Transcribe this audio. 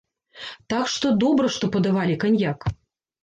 Так што, добра, што падавалі каньяк!